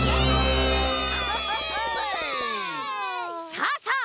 さあさあ